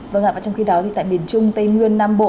vâng ạ và trong khi đó thì tại miền trung tây nguyên nam bộ